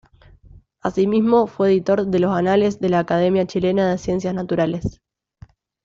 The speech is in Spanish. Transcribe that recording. Asimismo, fue editor de los Anales de la Academia Chilena de Ciencias Naturales.